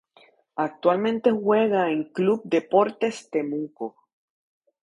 Actualmente juega en Club Deportes Temuco